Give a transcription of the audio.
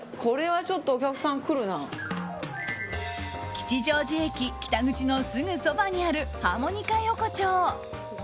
吉祥寺駅北口のすぐそばにあるハモニカ横丁。